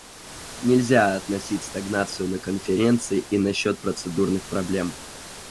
Нельзя относить стагнацию на Конференции и на счет процедурных проблем.